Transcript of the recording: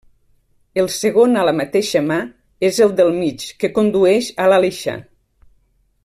El segon a la mateixa mà, és el del Mig, que condueix a l'Aleixar.